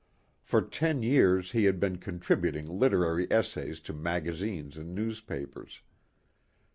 For ten years he had been contributing literary essays to magazines and newspapers.